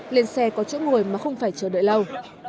lên xe có chỗ ngồi mà không phải chờ đợi lâu